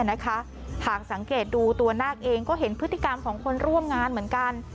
หากสังเกตดูตัวนาคเองก็เห็นพฤติกรรมของคนร่วมงานเหมือนกัน